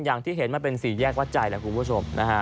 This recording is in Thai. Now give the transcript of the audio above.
อย่างที่เห็นมันเป็นสี่แยกวัดใจนะครับคุณผู้ชม